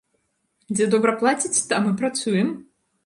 Дзе добра плацяць, там і працуем!